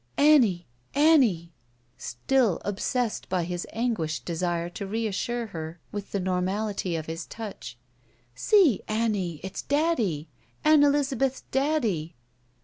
'' "Annie! Annie!" still obsessed by his anguished desire to reassttre her with the nonnality of his touch. "See, Annie, it's daddy. Ann Elizabeth's daddy."